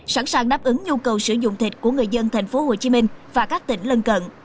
sẵn sàng đáp ứng nhu cầu sử dụng thịt của người dân tp hcm và các tỉnh lân cận